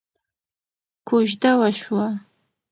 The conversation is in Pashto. کوژده وشوه.